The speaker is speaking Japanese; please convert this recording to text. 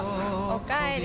おかえり。